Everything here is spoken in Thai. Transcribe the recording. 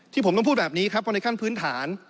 ผมต้องพูดแบบนี้ครับเพราะในขั้นพื้นฐาน